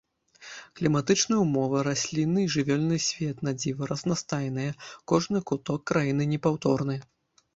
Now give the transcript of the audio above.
Кліматычныя ўмовы, раслінны і жывёльны свет надзіва разнастайныя, кожны куток краіны непаўторны.